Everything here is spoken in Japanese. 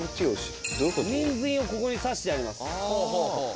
ニンジンをここに挿してあります。